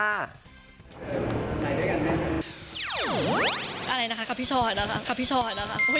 อะไรนะคะพี่ช้อนนะคะพี่ช้อนนะคะ